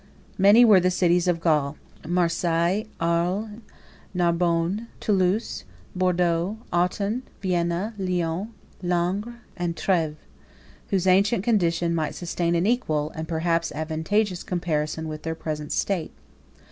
76 Many were the cities of Gaul, Marseilles, Arles, Nismes, Narbonne, Thoulouse, Bourdeaux, Autun, Vienna, Lyons, Langres, and Treves, whose ancient condition might sustain an equal, and perhaps advantageous comparison with their present state.